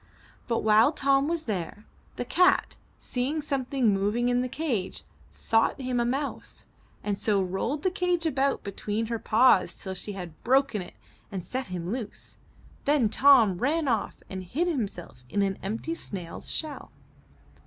But while Tom was there, the cat, seeing something moving in the cage, thought him a mouse, and so rolled the cage about between her paws till she had broken it and set him loose. Then Tom ran off and hid himself in an empty snail's shell.